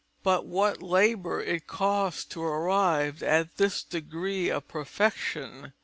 But what labour it cost to arrive at this degree of perfection!